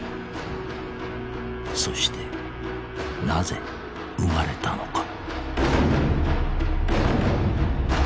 そしてなぜ生まれたのか。